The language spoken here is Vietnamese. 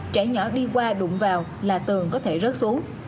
trẻ nhỏ đi qua đụng vào là tường có thể rớt xuống